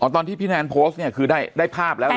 อ๋อตอนที่พี่นันโพสต์เนี่ยคือได้ภาพแล้วหรือ